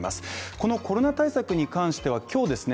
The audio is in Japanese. このコロナ対策に関しては今日ですね